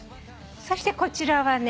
そしてこちらはね